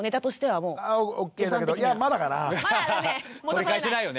取り返せないよね！